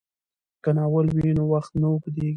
که ناول وي نو وخت نه اوږدیږي.